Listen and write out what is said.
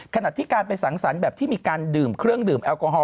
ขณะที่การไปสังสรรค์แบบที่มีการดื่มเครื่องดื่มแอลกอฮอล